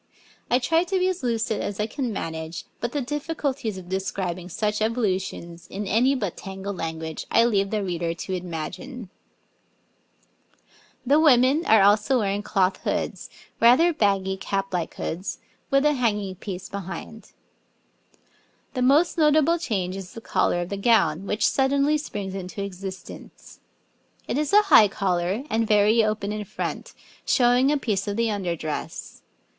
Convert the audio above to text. (I try to be as lucid as I can manage, but the difficulties of describing such evolutions in any but tangled language I leave the reader to imagine.) [Illustration: {Two women of the time of Edward VI.; two types of head dress}] The women are also wearing cloth hoods, rather baggy cap like hoods, with a hanging piece behind. The most notable change is the collar of the gown, which suddenly springs into existence. It is a high collar and very open in front, showing a piece of the under dress.